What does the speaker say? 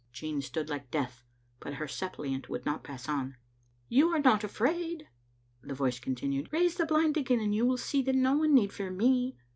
Jean stood like death ; but her suppliant would not pass on. "You are not afraid?" the voice continued. "Raise the blind again, and you will see that no one need fear me.